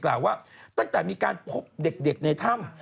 กล่าวว่าตั้งแต่มีการพบเด็กในถ้ำ